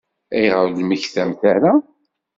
Ayɣer ur d-temmektamt ara?